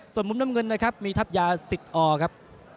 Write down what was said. ส่วนมุมน้ำเงินนะครับมีทัพยาสิทธิ์อครับ